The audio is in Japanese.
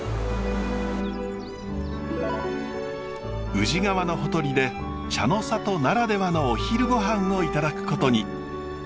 宇治川のほとりで茶の里ならではのお昼ごはんをいただくことに。